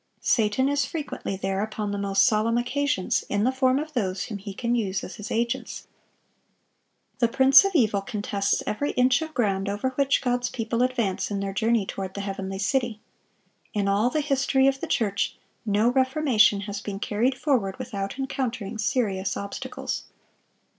Satan is frequently there upon the most solemn occasions, in the form of those whom he can use as his agents. The prince of evil contests every inch of ground over which God's people advance in their journey toward the heavenly city. In all the history of the church, no reformation has been carried forward without encountering serious obstacles.